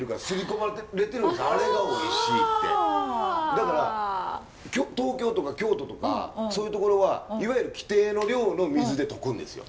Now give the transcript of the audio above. だから東京とか京都とかそういうところはいわゆる規定の量の水で溶くんですよ。